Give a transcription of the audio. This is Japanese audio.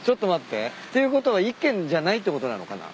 ていうことは１軒じゃないってことなのかな？